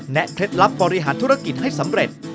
เคล็ดลับบริหารธุรกิจให้สำเร็จ